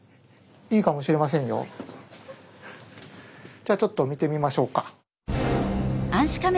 じゃあちょっと見てみましょうか。